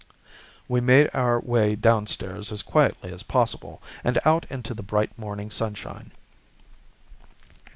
We made our way downstairs as quietly as possible, and out into the bright morning sunshine.